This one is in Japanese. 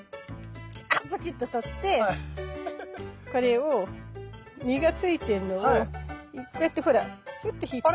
ブチッと取ってこれを実がついてんのをこうやってほらヒュッて引っ張ると。